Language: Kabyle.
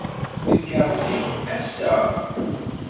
Tenker zik, ass-a.